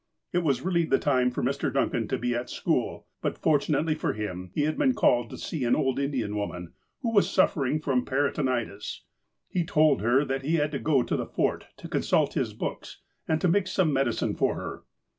It was really the time for Mr. Duncan to be at school, but, fortunately for him, he had been called to see an old In dian woman, who was suffering from peritonitis. He told her that he had to go to the Fort to consult his books, and to mix some medicine for her.